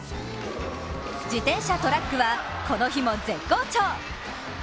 自転車トラックはこの日も絶好調。